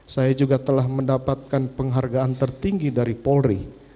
saya juga telah mendapatkan penghargaan tertinggi dari polri